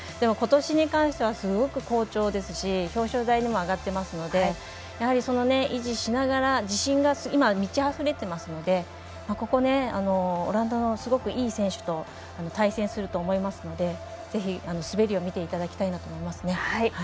ことしに関してはすごく好調ですし表彰台にも上がってますのでやはり、維持しながら、自信が今満ちあふれていますのでオランダのすごくいい選手と対戦すると思いますのでぜひ滑りを見ていただきたいなと思いますね。